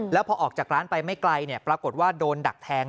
แล้วพอออกจากร้านไปไม่ไกลปรากฏว่าโดนดักแทง